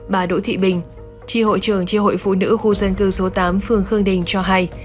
bà đỗ thị bình tri hội trường tri hội phụ nữ khu dân cư số tám phường khương đình cho hay